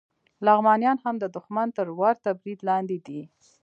لغمانیان هم د دښمن تر ورته برید لاندې دي